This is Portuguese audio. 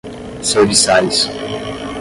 serviçais